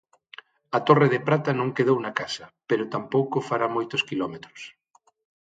A torre de prata non quedou na casa, pero tampouco fará moitos quilómetros.